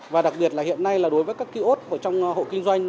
và đặc biệt là hiện nay là đối với các kiosk trong hộ kinh doanh